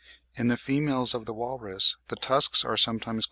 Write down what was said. In the females of the walrus the tusks are sometimes quite absent.